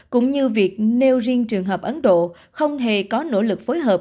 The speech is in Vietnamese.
cũng như việc nêu riêng trường hợp ấn độ không hề có nỗ lực phối hợp